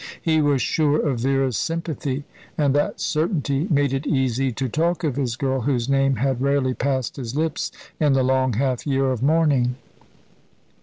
He was sure of Vera's sympathy, and that certainty made it easy to talk of his girl, whose name had rarely passed his lips in the long half year of mourning.